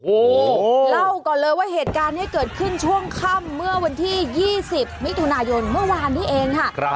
โอ้โหเล่าก่อนเลยว่าเหตุการณ์นี้เกิดขึ้นช่วงค่ำเมื่อวันที่๒๐มิถุนายนเมื่อวานนี้เองค่ะ